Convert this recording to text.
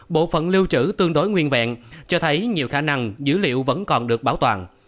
bộ phận lưu trữ tương đối nguyên vẹn cho thấy nhiều khả năng dữ liệu vẫn còn được bảo toàn